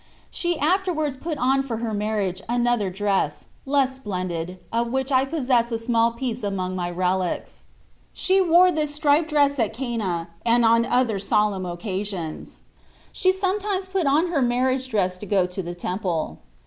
She afterwards put on for her marriage another dress, less splendid, of which I possess a small piece among my relics. She wore this striped dress at Cana and on other solemn occasions. She sometimes put on her marriage dress to go to the Temple.